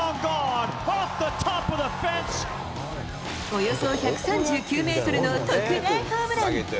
およそ１３９メートルの特大ホームラン。